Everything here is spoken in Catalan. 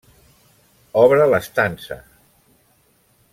Obre l’estança.